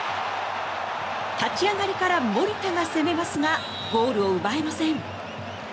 立ち上がりから守田が攻めますがゴールを奪えません。